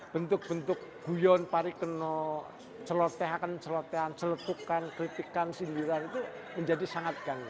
bentuk bentuk guyon parikeno celotehakan celotehan seletukan kritikan sindiran itu menjadi sangat gandrik